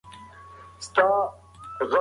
چیخوف د انسان کمزوري ښيي، خو مسخره یې نه کوي.